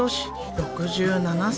６７歳。